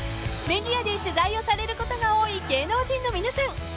［メディアで取材をされることが多い芸能人の皆さん］